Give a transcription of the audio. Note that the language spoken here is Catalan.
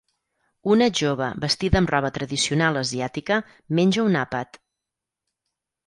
Una jove vestida amb roba tradicional asiàtica menja un àpat.